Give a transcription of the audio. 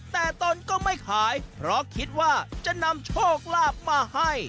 แต่ตนก็ไม่ขายเพราะคิดว่าจะนำโชคลาภมาให้